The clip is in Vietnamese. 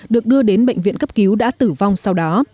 được đưa đến bệnh viện cấp cứu đã tử vong sau đó